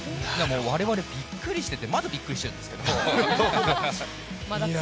我々びっくりしてて、まだびっくりしてるんですけれども。